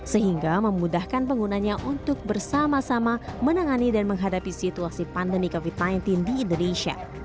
sehingga memudahkan penggunanya untuk bersama sama menangani dan menghadapi situasi pandemi covid sembilan belas di indonesia